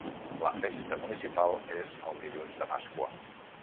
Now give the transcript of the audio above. La festa municipal és el dilluns de Pasqua.